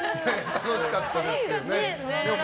楽しかったですけどね。